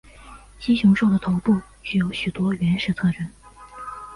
蜥熊兽的头部具有许多原始特征。